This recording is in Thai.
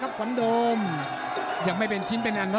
ฝ่ายทั้งเมืองนี้มันตีโต้หรืออีโต้